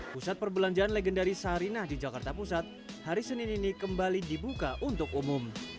pusat perbelanjaan legendaris sarinah di jakarta pusat hari senin ini kembali dibuka untuk umum